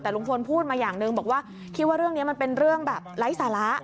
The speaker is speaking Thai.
แต่ลุงพลพูดมาอย่างหนึ่งบอกว่าคิดว่าเรื่องนี้มันเป็นเรื่องแบบไร้สาระ